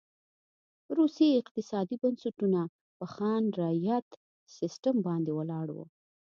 روسي اقتصادي بنسټونه په خان رعیت سیستم باندې ولاړ و.